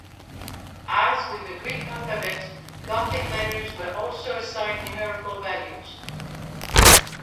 As with the Greek alphabet, Gothic letters were also assigned numerical values.